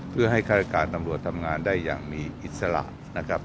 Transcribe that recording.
เพื่อให้ฆาตการตำรวจทำงานได้อย่างมีอิสระนะครับ